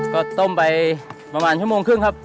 ก็ต้มไปประมาณชั่วโมงครึ่งครับ